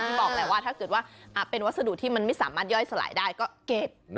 บอกแหละว่าถ้าเกิดว่าเป็นวัสดุที่มันไม่สามารถย่อยสลายได้ก็เก็บ